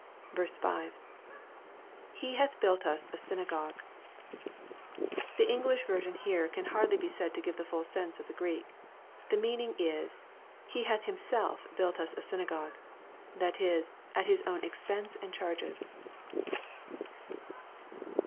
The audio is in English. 6. — [Be haih huiU us a synagogue,'] The English version here can hardly be said to give the full sense of the Greek. The meaning is, " He hath himself built us a synagogue ;" that is, at his own expense and charges.